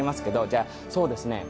じゃあそうですね。